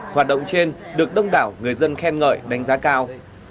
hoạt động trên được đông đảo người dân khen ngợi đánh giá cao